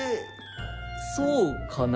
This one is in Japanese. そうかな？